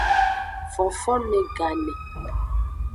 Fonfonme gane.